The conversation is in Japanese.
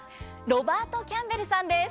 ロバート・キャンベルさんです。